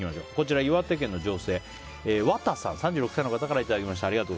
岩手県の女性３６歳の方からいただきました。